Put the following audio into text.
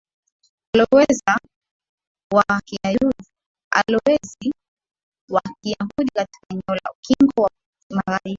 alowezi wa kiyahudi katika eneo la ukingo wa magharibi